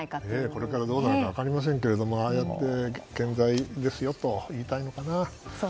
これからどうなるか分かりませんがああやって健在ですよと言いたいのかな。